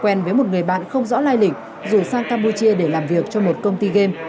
quen với một người bạn không rõ lai lĩnh rủ sang campuchia để làm việc cho một công ty game